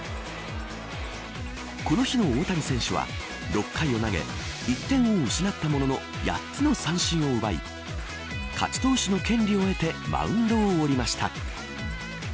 この日の大谷選手は６回を投げ１点を失ったものの８つの三振を奪い勝ち投手の権利を得てマウンドを降りました。